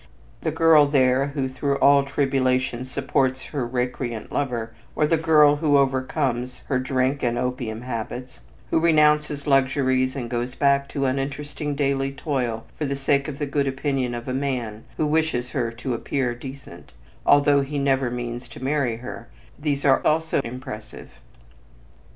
The girl there who through all tribulation supports her recreant "lover," or the girl who overcomes, her drink and opium habits, who renounces luxuries and goes back to uninteresting daily toil for the sake of the good opinion of a man who wishes her to "appear decent," although he never means to marry her, these are also impressive.